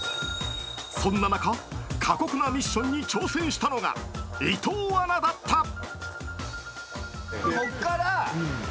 そんな中、過酷なミッションに挑戦したのが伊藤アナだった。